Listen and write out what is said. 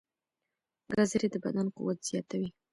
ګازرې د بدن قوت زیاتوي.